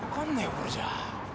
これじゃあ。